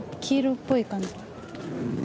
黄色っぽい感じ。